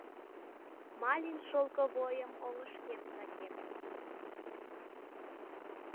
Малин шолковойым онышкем сакем